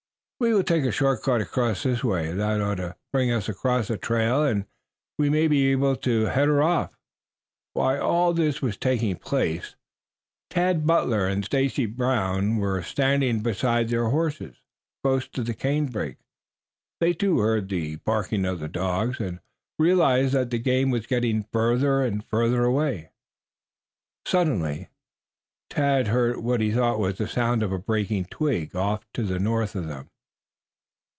We will take a short cut across this way. That ought to bring us across the trail and we may be able to head her off." While all this was taking place Tad Butler and Stacy Brown were standing beside their horses close to the canebrake. They too heard the barking of the dogs, and realized that the game was getting farther and farther away. Suddenly Tad heard what he thought was the sound of a breaking twig off to the north of them.